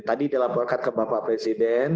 tadi dilaporkan ke bapak presiden